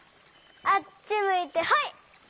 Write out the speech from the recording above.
あっちむいてホイ！